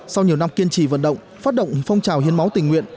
sau nhiều năm kiên trì vận động phát động phong trào hiến máu tình nguyện